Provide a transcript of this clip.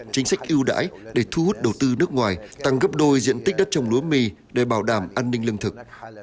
chính sách ưu đãi để thu hút đầu tư nước ngoài tăng gấp đôi diện tích đất trồng lúa mì để bảo đảm an ninh lương thực